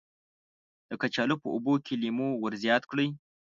د کچالو په اوبو کې لیمو ور زیات کړئ.